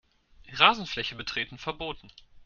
Rasenfläche betreten verboten.